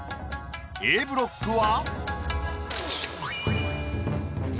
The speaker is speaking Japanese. Ａブロックは。